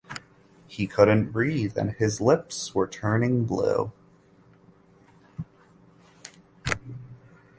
He couldn’t breathe and his lips were turning blue.